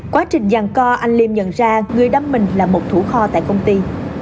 quá trình giàn co anh liêm nhận ra người đâm mình là một thủ kho tại công ty